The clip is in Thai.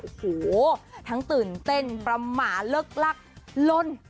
โอ้โหทั้งตื่นเต้นประมาทเลิกลักล่น